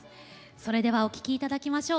それではお聴きいただきましょう。